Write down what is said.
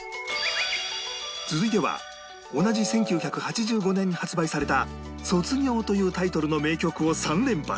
続いては同じ１９８５年に発売された『卒業』というタイトルの名曲を３連発